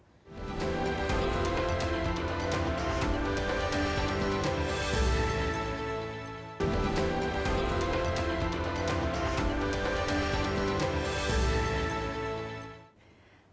jadi kita akan berbicara tentang hal yang harus kita lakukan